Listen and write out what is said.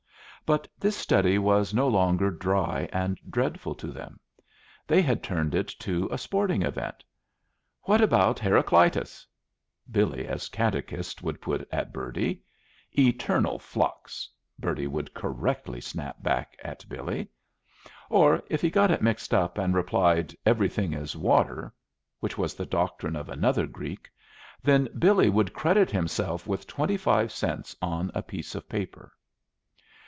But this study was no longer dry and dreadful to them: they had turned it to a sporting event. "What about Heracleitos?" Billy as catechist would put at Bertie. "Eternal flux," Bertie would correctly snap back at Billy. Or, if he got it mixed up, and replied, "Everything is water," which was the doctrine of another Greek, then Billy would credit himself with twenty five cents on a piece of paper.